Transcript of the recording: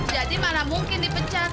jadi mana mungkin dipecat